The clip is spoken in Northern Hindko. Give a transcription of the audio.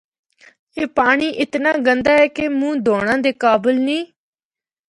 اے پانڑی اتنا گندا اے کہ منہ دونڑا دے قابل نیں۔